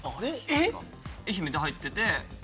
愛媛入ってて。